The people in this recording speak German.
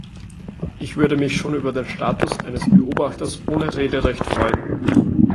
Ich würde mich schon über den Status eines Beobachters ohne Rederecht freuen.